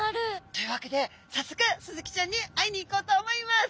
というわけでさっそくスズキちゃんに会いに行こうと思います！